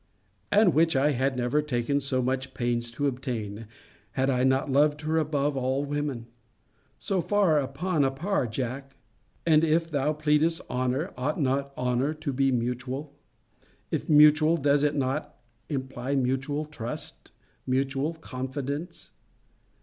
And which I had never taken so much pains to obtain, had I not loved her above all women. So far upon a par, Jack! and if thou pleadest honour, ought not honour to be mutual? If mutual, does it not imply mutual trust, mutual confidence?